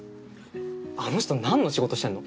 あの人何の仕事してんの？